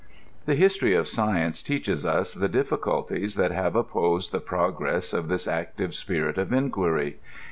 The history of science teaches us the difiiculties that have opposed the progress of this active spirit of inquiry.